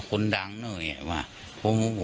คนดังเนื่อยอ่ะว่าฮู้ครับ